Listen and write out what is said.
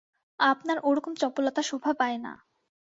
আপনার ও-রকম চপলতা শোভা পায় না।